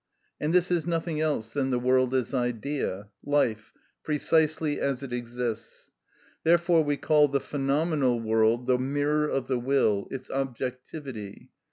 And this is nothing else than the world as idea, life, precisely as it exists. Therefore we called the phenomenal world the mirror of the will, its objectivity.